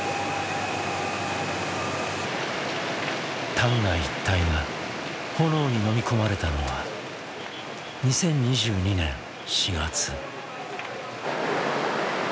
旦過一帯が炎にのみこまれたのは２０２２年４月。